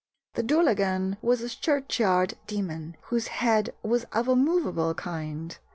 The Dullaghan was a churchyard demon whose head was of a movable kind.